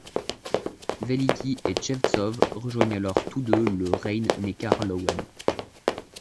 Velyky et Chevtsov rejoignent alors tous deux le Rhein-Neckar Löwen.